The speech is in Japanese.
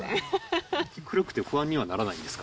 暗くて不安にはならないんですか？